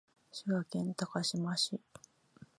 滋賀県高島市